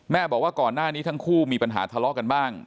บอกว่าก่อนหน้านี้ทั้งคู่มีปัญหาทะเลาะกันบ้าง